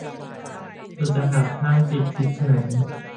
สุดจะหัก ห้ามจิต คิดไฉน